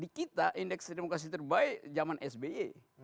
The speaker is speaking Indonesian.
di kita indeks demokrasi terbaik zaman sby